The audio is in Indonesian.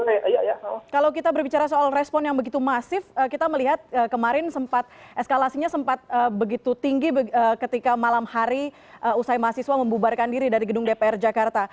kalau kita berbicara soal respon yang begitu masif kita melihat kemarin sempat eskalasinya sempat begitu tinggi ketika malam hari usai mahasiswa membubarkan diri dari gedung dpr jakarta